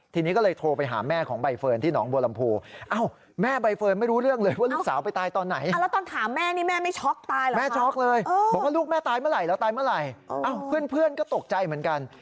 ทีนี้ก็เลยโทรไปหาแม่ของใบเฟิร์นที่หนองบัวลำพู